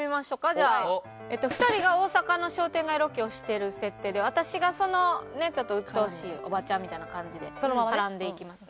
２人が大阪の商店街ロケをしてる設定で私がそのちょっとうっとうしいおばちゃんみたいな感じで。